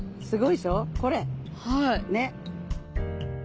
すごいでしょこれ。